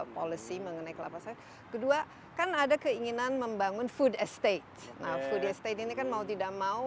policy mengenai kelapa sawit kedua kan ada keinginan membangun food estate nah food estate ini kan mau tidak mau